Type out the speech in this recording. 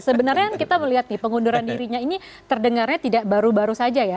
sebenarnya kita melihat nih pengunduran dirinya ini terdengarnya tidak baru baru saja ya